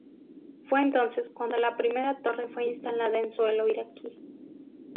Fue entonces cuando la primera torre fue instalada en suelo iraquí.